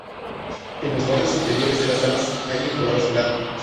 En los bordes exteriores de las alas, hay un color azulado.